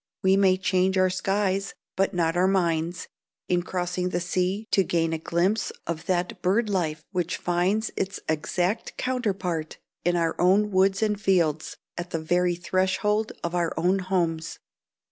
We may change our skies, but not our minds, in crossing the sea to gain a glimpse of that bird life which finds its exact counterpart in our own woods and fields, at the very threshold of our own homes.